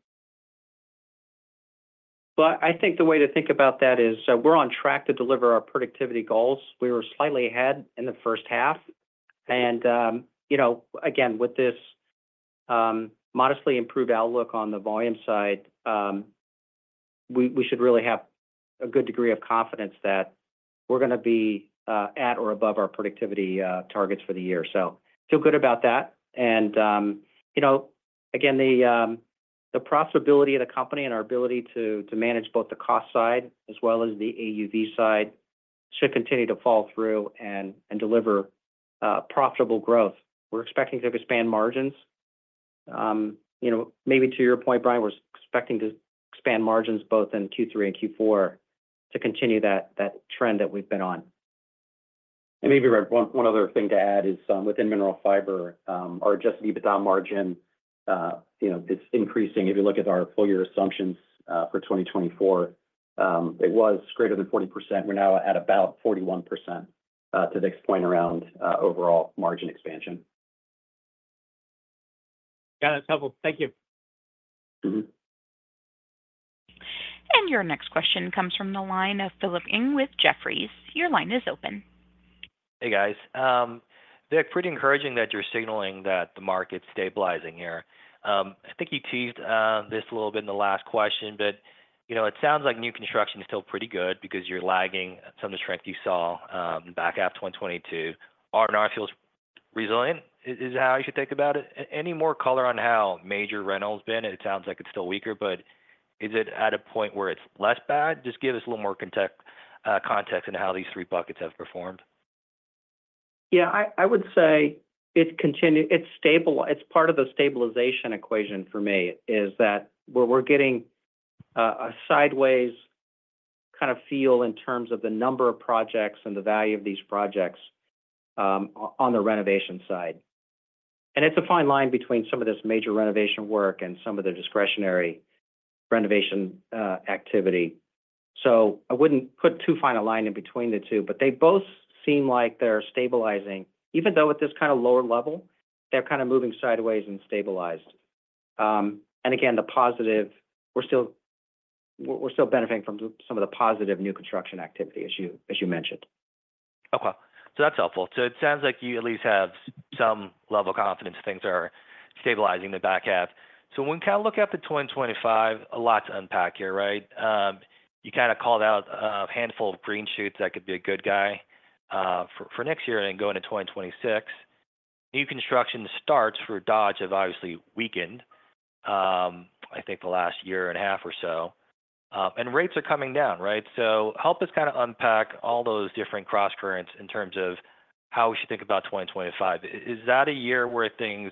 Well, I think the way to think about that is, we're on track to deliver our productivity goals. We were slightly ahead in the first half and, you know, again, with this, modestly improved outlook on the volume side, we should really have a good degree of confidence that we're gonna be, at or above our productivity targets for the year. So feel good about that. And, you know, again, the profitability of the company and our ability to manage both the cost side as well as the AUV side, should continue to fall through and deliver profitable growth. We're expecting to expand margins. You know, maybe to your point, Brian, we're expecting to expand margins both in Q3 and Q4 to continue that trend that we've been on. Maybe, Brian, one other thing to add is, within Mineral Fiber, our Adjusted EBITDA margin, you know, it's increasing. If you look at our full year assumptions, for 2024, it was greater than 40%. We're now at about 41%, to Vic's point around overall margin expansion. Got it. It's helpful. Thank you. Mm-hmm. Your next question comes from the line of Philip Ng with Jefferies. Your line is open. Hey, guys. Vic, pretty encouraging that you're signaling that the market's stabilizing here. I think you teased this a little bit in the last question, but, you know, it sounds like new construction is still pretty good because you're lagging some of the strength you saw back half of 2022. R&R feels pretty resilient, is how you should think about it? Any more color on how major reno has been, it sounds like it's still weaker, but is it at a point where it's less bad? Just give us a little more context into how these three buckets have performed. Yeah, I would say it's stable. It's part of the stabilization equation for me, is that we're getting a sideways kind of feel in terms of the number of projects and the value of these projects on the renovation side. And it's a fine line between some of this major renovation work and some of the discretionary renovation activity. So I wouldn't put too fine a line in between the two, but they both seem like they're stabilizing. Even though at this kind of lower level, they're kind of moving sideways and stabilized. And again, the positive, we're still benefiting from some of the positive new construction activity, as you mentioned. Okay. So that's helpful. So it sounds like you at least have some level of confidence things are stabilizing the back half. So when we kind of look out to 2025, a lot to unpack here, right? You kind of called out a handful of green shoots that could be a good sign for next year and going to 2026. New construction starts for Dodge have obviously weakened, I think the last year and a half or so, and rates are coming down, right? So help us kind of unpack all those different crosscurrents in terms of how we should think about 2025. Is that a year where things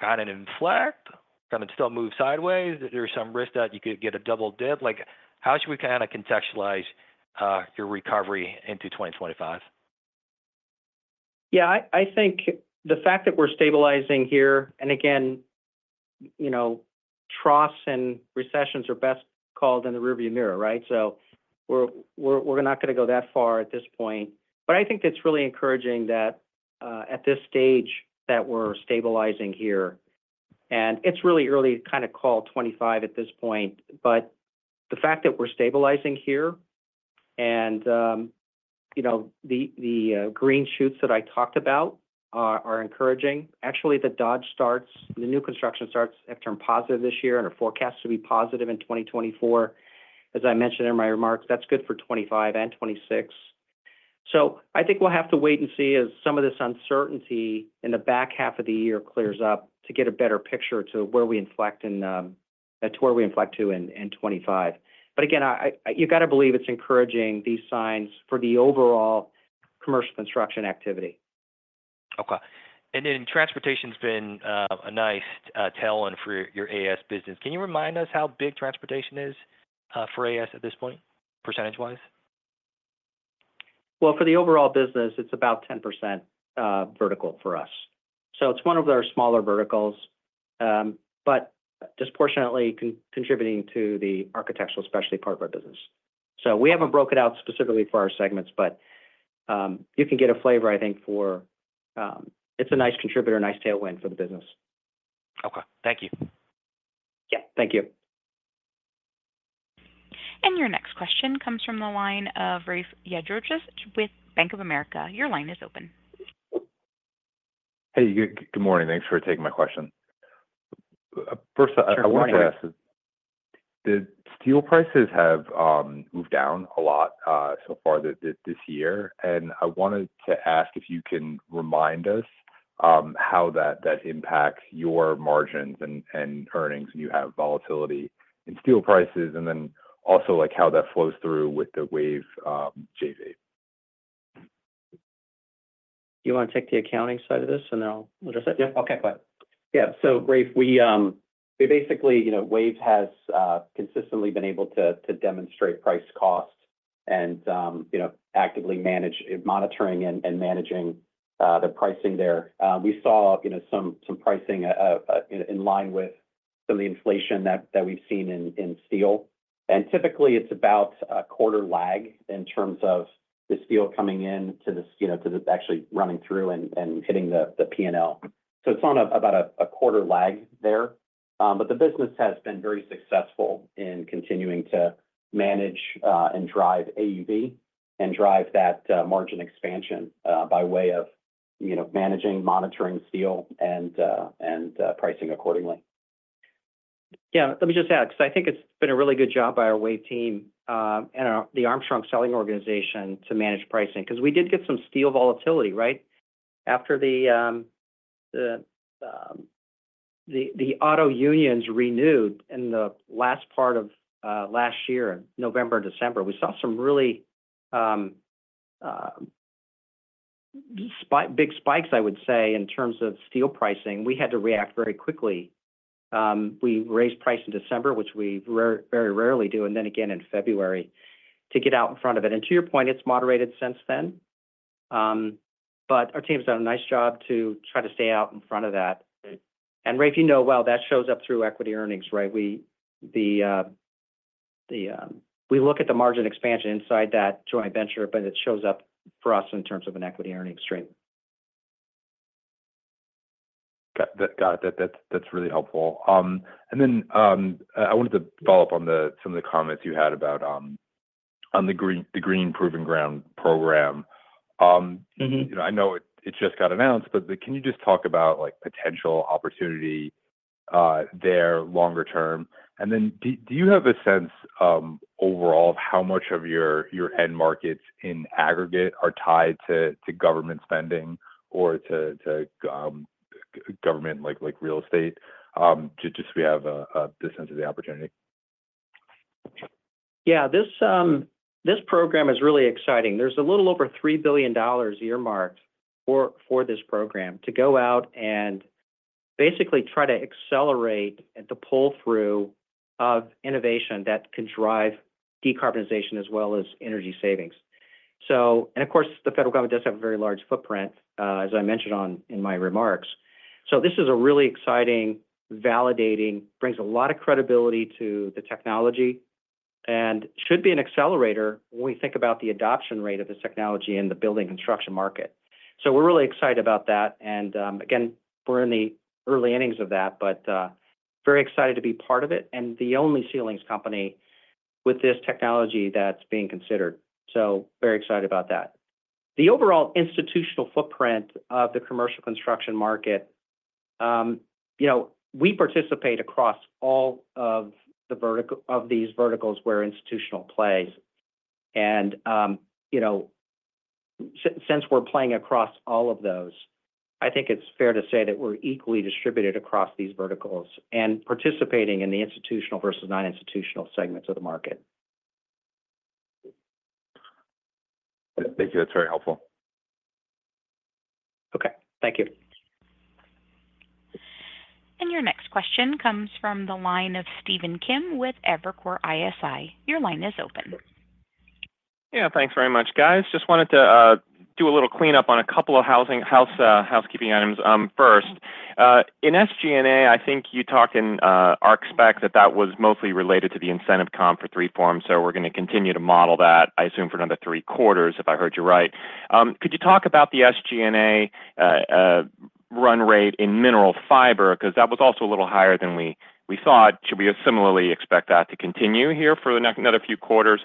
kind of inflect, kind of still move sideways? There's some risk that you could get a double dip. Like, how should we kind of contextualize your recovery into 2025? Yeah, I think the fact that we're stabilizing here, and again, you know, troughs and recessions are best called in the rearview mirror, right? So we're not going to go that far at this point. But I think it's really encouraging that at this stage, that we're stabilizing here, and it's really early to kind of call 2025 at this point. But the fact that we're stabilizing here and, you know, the green shoots that I talked about are encouraging. Actually, the Dodge starts, the new construction starts have turned positive this year, and are forecast to be positive in 2024. As I mentioned in my remarks, that's good for 2025 and 2026. So I think we'll have to wait and see as some of this uncertainty in the back half of the year clears up, to get a better picture to where we inflect and to where we inflect to in 2025. But again, you've got to believe it's encouraging, these signs, for the overall commercial construction activity. Okay. And then transportation's been a nice tailwind for your AS business. Can you remind us how big transportation is for AS at this point, percentage-wise? Well, for the overall business, it's about 10%, vertical for us. So it's one of our smaller verticals, but disproportionately contributing to the architectural specialty part of our business. So we haven't broke it out specifically for our segments, but you can get a flavor, I think, for... It's a nice contributor, a nice tailwind for the business. Okay. Thank you. Yeah, thank you. Your next question comes from the line of Rafe Jadrosich with Bank of America. Your line is open. Hey, good morning. Thanks for taking my question. First, I wanted to- Good morning. The steel prices have moved down a lot so far this year, and I wanted to ask if you can remind us how that impacts your margins and earnings, and you have volatility in steel prices, and then also, like, how that flows through with the WAVE JV? You want to take the accounting side of this, and then I'll address it? Yeah. Okay, go ahead. Yeah. So Rafe, we, we basically, you know, WAVE has consistently been able to, to demonstrate price-cost and, you know, actively managing and monitoring and managing the pricing there. We saw, you know, some, some pricing, you know, in line with some of the inflation that, that we've seen in, in steel. And typically, it's about a quarter lag in terms of the steel coming in to this, you know, to this actually running through and, and hitting the, the P&L. So it's on a, about a, a quarter lag there, but the business has been very successful in continuing to manage and drive AUV and drive that, margin expansion, by way of, you know, managing, monitoring steel and, and pricing accordingly. Yeah, let me just add, because I think it's been a really good job by our WAVE team, and our, the Armstrong selling organization to manage pricing, because we did get some steel volatility, right? After the, the, the auto unions renewed in the last part of, uh, last year, in November, December, we saw some really, big spikes, I would say, in terms of steel pricing. We had to react very quickly. We raised price in December, which we very, very rarely do, and then again in February, to get out in front of it. And to your point, it's moderated since then. But our team's done a nice job to try to stay out in front of that. Right. And Rafe, you know well, that shows up through equity earnings, right? We look at the margin expansion inside that joint venture, but it shows up for us in terms of an equity earning stream. Got that. Got it. That's really helpful. And then I wanted to follow up on some of the comments you had about the Green Proving Ground program. Mm-hmm... you know, I know it, it just got announced, but can you just talk about, like, potential opportunity there longer term? And then do you have a sense overall of how much of your end markets in aggregate are tied to government spending or to government, like, like real estate? To just, we have a sense of the opportunity. Yeah, this program is really exciting. There's a little over $3 billion earmarked for this program to go out and basically try to accelerate the pull-through of innovation that can drive decarbonization as well as energy savings. So and, of course, the federal government does have a very large footprint, as I mentioned in my remarks. So this is really exciting, validating, brings a lot of credibility to the technology, and should be an accelerator when we think about the adoption rate of this technology in the building construction market. So we're really excited about that, and, again, we're in the early innings of that, but very excited to be part of it, and the only ceilings company with this technology that's being considered. So very excited about that. The overall institutional footprint of the commercial construction market, you know, we participate across all of these verticals where institutional plays. And, you know, since we're playing across all of those, I think it's fair to say that we're equally distributed across these verticals and participating in the institutional versus non-institutional segments of the market. Thank you. That's very helpful. Okay, thank you. Your next question comes from the line of Stephen Kim with Evercore ISI. Your line is open. Yeah, thanks very much, guys. Just wanted to do a little cleanup on a couple of housekeeping items. First, in SG&A, I think you talked in our expect that that was mostly related to the incentive comp for 3form, so we're gonna continue to model that, I assume, for another three quarters, if I heard you right. Could you talk about the SG&A run rate in Mineral Fiber? Because that was also a little higher than we thought. Should we similarly expect that to continue here for the next another few quarters?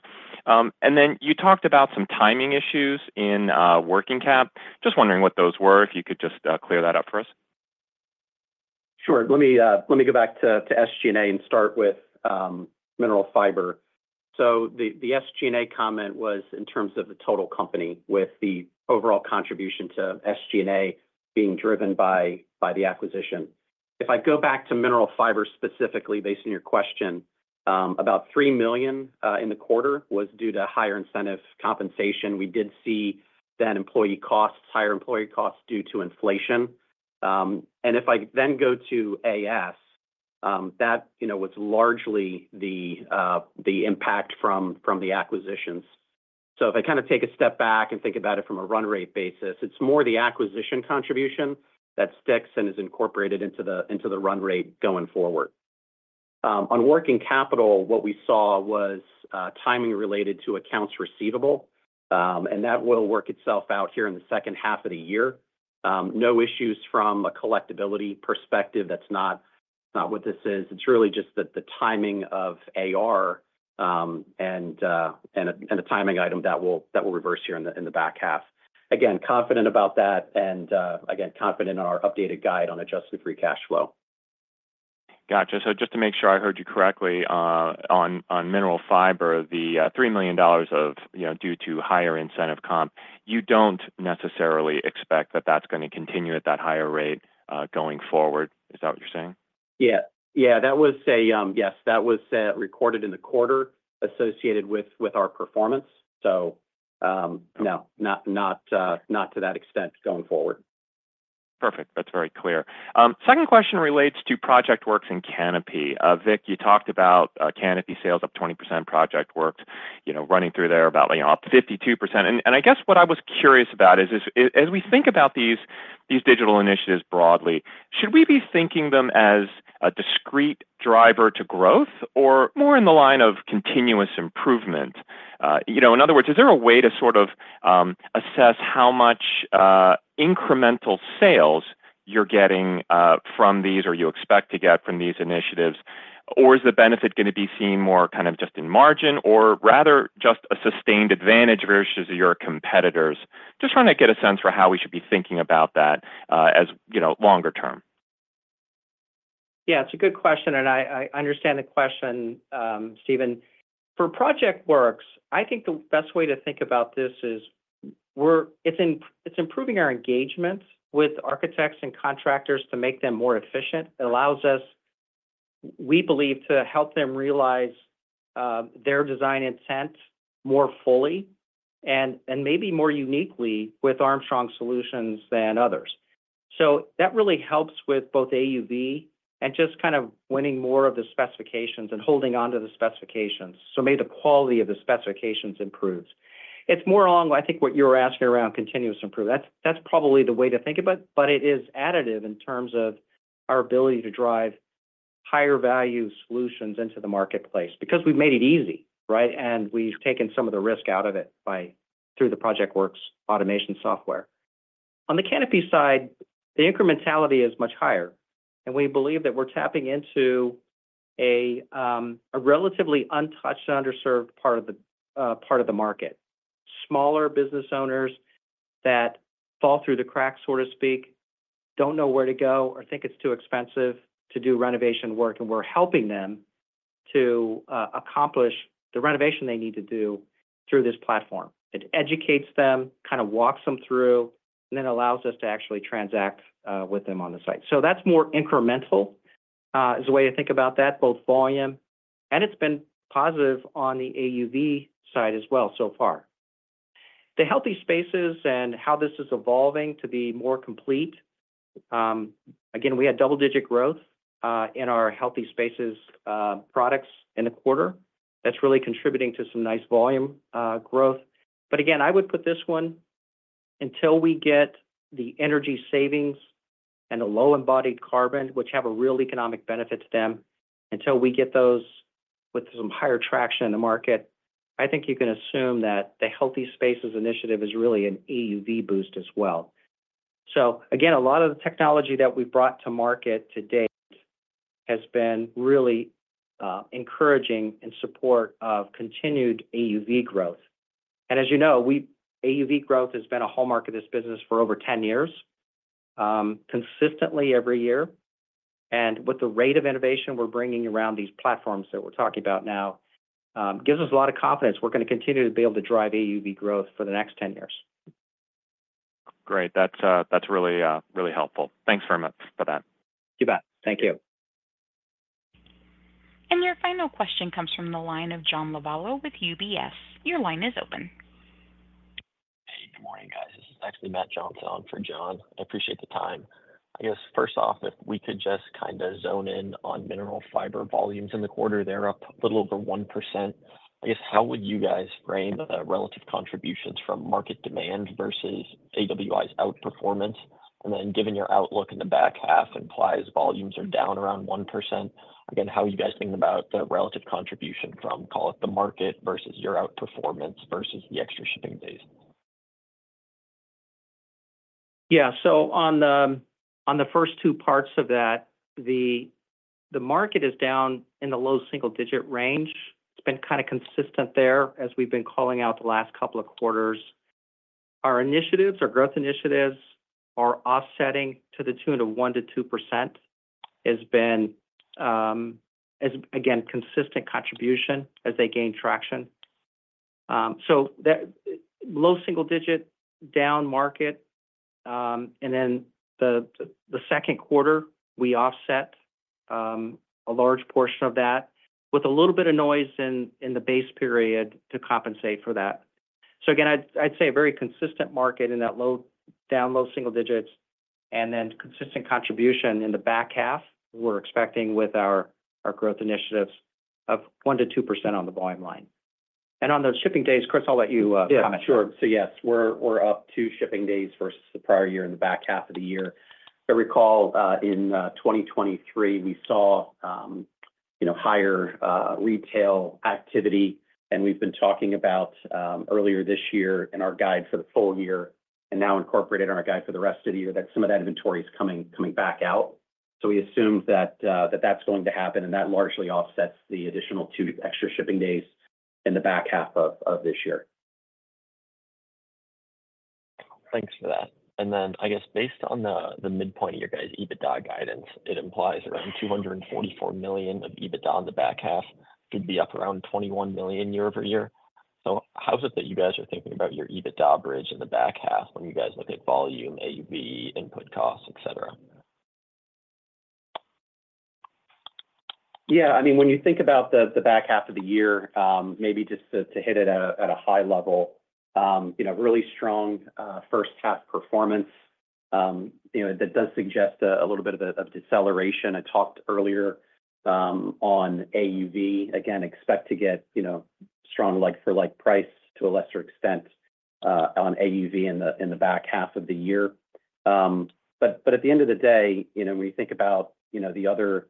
And then you talked about some timing issues in working cap. Just wondering what those were, if you could just clear that up for us. Sure. Let me, let me go back to, to SG&A and start with, Mineral Fiber. So the, the SG&A comment was in terms of the total company, with the overall contribution to SG&A being driven by, by the acquisition. If I go back to Mineral Fiber, specifically based on your question, about $3 million in the quarter was due to higher incentive compensation. We did see then employee costs, higher employee costs due to inflation. And if I then go to AS, that, you know, was largely the, the impact from, from the acquisitions. So if I kind of take a step back and think about it from a run rate basis, it's more the acquisition contribution that sticks and is incorporated into the, into the run rate going forward. On working capital, what we saw was, timing related to accounts receivable, and that will work itself out here in the second half of the year. No issues from a collectibility perspective. That's not, not what this is. It's really just that the timing of AR, and the timing item that will, that will reverse here in the back half. Again, confident about that, and, again, confident in our updated guide on Adjusted Free Cash Flow. Gotcha. So just to make sure I heard you correctly, on Mineral Fiber, the $3 million of, you know, due to higher incentive comp, you don't necessarily expect that that's gonna continue at that higher rate, going forward. Is that what you're saying? Yeah. Yeah, that was a... Yes, that was recorded in the quarter associated with, with our performance. So, no, not, not, not to that extent going forward. Perfect. That's very clear. Second question relates to ProjectWorks and Kanopi. Vic, you talked about, Kanopi sales up 20%, ProjectWorks, you know, running through there about, you know, up 52%. And I guess what I was curious about is as we think about these, these digital initiatives broadly, should we be thinking them as a discrete driver to growth or more in the line of continuous improvement? You know, in other words, is there a way to sort of assess how much incremental sales you're getting from these, or you expect to get from these initiatives? Or is the benefit gonna be seen more kind of just in margin, or rather, just a sustained advantage versus your competitors? Just wanna get a sense for how we should be thinking about that, as you know, longer term. Yeah, it's a good question, and I understand the question, Stephen. For ProjectWorks, I think the best way to think about this is it's improving our engagement with architects and contractors to make them more efficient. It allows us, we believe, to help them realize their design intent more fully and maybe more uniquely with Armstrong solutions than others. So that really helps with both AUV and just kind of winning more of the specifications and holding onto the specifications, so maybe the quality of the specifications improves. It's more along, I think, what you're asking around continuous improvement. That's probably the way to think about it, but it is additive in terms of our ability to drive higher value solutions into the marketplace because we've made it easy, right? We've taken some of the risk out of it through the ProjectWorks automation software. On the Kanopi side, the incrementality is much higher, and we believe that we're tapping into a relatively untouched and underserved part of the market. Smaller business owners that fall through the cracks, so to speak, don't know where to go or think it's too expensive to do renovation work, and we're helping them to accomplish the renovation they need to do through this platform. It educates them, kind of walks them through, and then allows us to actually transact with them on the site. So that's more incremental as a way to think about that, both volume, and it's been positive on the AUV side as well so far. The Healthy Spaces and how this is evolving to be more complete, again, we had double-digit growth in our Healthy Spaces products in the quarter. That's really contributing to some nice volume growth. But again, I would put this one, until we get the energy savings and the low embodied carbon, which have a real economic benefit to them, until we get those with some higher traction in the market, I think you can assume that the Healthy Spaces initiative is really an AUV boost as well. So again, a lot of the technology that we've brought to market to date has been really encouraging in support of continued AUV growth. And as you know, AUV growth has been a hallmark of this business for over 10 years, consistently every year. With the rate of innovation we're bringing around these platforms that we're talking about now, gives us a lot of confidence we're gonna continue to be able to drive AUV growth for the next 10 years. Great. That's, that's really, really helpful. Thanks very much for that. You bet. Thank you. Your final question comes from the line of John Lovallo with UBS. Your line is open. Hey, good morning, guys. This is actually Matt Johnson for John. I appreciate the time. I guess, first off, if we could just kind of zone in on Mineral Fiber volumes in the quarter, they're up a little over 1%. I guess, how would you guys frame the relative contributions from market demand versus AWI's outperformance? And then, given your outlook in the back half implies volumes are down around 1%, again, how are you guys thinking about the relative contribution from, call it, the market versus your outperformance versus the extra shipping days? Yeah. So on the first two parts of that, the market is down in the low single-digit range. It's been kind of consistent there as we've been calling out the last couple of quarters. Our initiatives, our growth initiatives are offsetting to the tune of 1%-2%. It's been as again consistent contribution as they gain traction. So that low single digit, down market, and then the second quarter, we offset a large portion of that with a little bit of noise in the base period to compensate for that. So again, I'd say a very consistent market in that low down low single digits, and then consistent contribution in the back half. We're expecting with our growth initiatives of 1%-2% on the volume line. On those shipping days, Chris, I'll let you comment. Yeah, sure. So yes, we're up two shipping days versus the prior year in the back half of the year. If you recall, in 2023, we saw, you know, higher retail activity, and we've been talking about earlier this year in our guide for the full year, and now incorporated in our guide for the rest of the year, that some of that inventory is coming back out. So we assume that that's going to happen, and that largely offsets the additional two extra shipping days in the back half of this year. Thanks for that. And then, I guess, based on the midpoint of your guys' EBITDA guidance, it implies around $244 million of EBITDA in the back half, could be up around $21 million year-over-year. So how is it that you guys are thinking about your EBITDA bridge in the back half when you guys look at volume, AUV, input costs, et cetera? Yeah, I mean, when you think about the back half of the year, maybe just to hit it at a high level, you know, really strong first half performance. You know, that does suggest a little bit of a deceleration. I talked earlier on AUV. Again, expect to get, you know, strong like-for-like price to a lesser extent on AUV in the back half of the year. But at the end of the day, you know, when you think about, you know, the other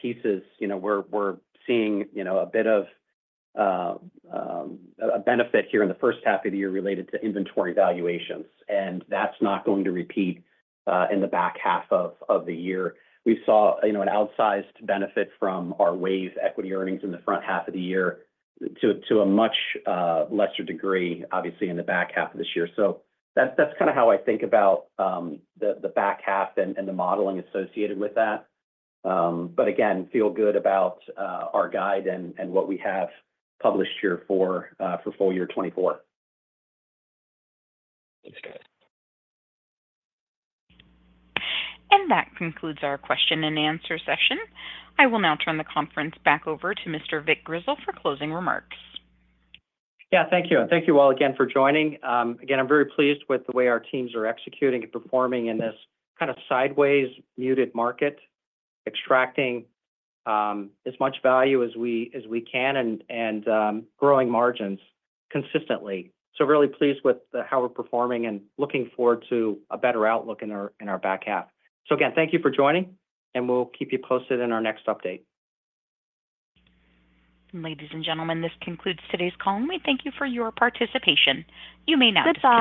pieces, you know, we're seeing, you know, a bit of a benefit here in the first half of the year related to inventory valuations, and that's not going to repeat in the back half of the year. We saw, you know, an outsized benefit from our WAVE's equity earnings in the front half of the year to, to a much, lesser degree, obviously, in the back half of this year. So that's, that's kind of how I think about, the, the back half and, and the modeling associated with that. But again, feel good about, our guide and, and what we have published here for, for full year 2024. Thanks, guys. That concludes our question and answer session. I will now turn the conference back over to Mr. Vic Grizzle for closing remarks. Yeah, thank you. And thank you all again for joining. Again, I'm very pleased with the way our teams are executing and performing in this kind of sideways, muted market, extracting as much value as we can and growing margins consistently. So really pleased with how we're performing and looking forward to a better outlook in our back half. So again, thank you for joining, and we'll keep you posted in our next update. Ladies and gentlemen, this concludes today's call, and we thank you for your participation. You may now disconnect.